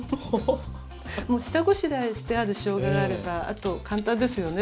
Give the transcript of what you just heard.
もう下ごしらえしてあるしょうががあればあと簡単ですよね。